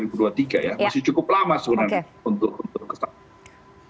masih cukup lama sebenarnya untuk kesatuan